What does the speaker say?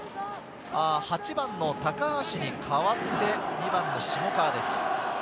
８番・高橋に代わって、２番・下川です。